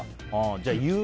じゃあ、言う。